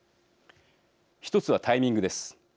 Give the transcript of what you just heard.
一つはタイミングです。